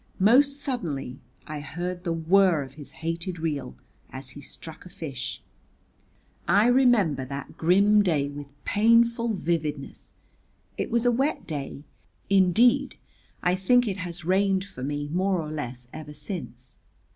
Most suddenly I heard the whirr of his hated reel, as he struck a fish. I remember that grim day with painful vividness, it was a wet day, indeed I think it has rained for me more or less ever since.